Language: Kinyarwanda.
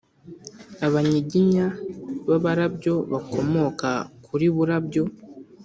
Abanyiginya b’Abarabyo bakomoka kuri Burabyo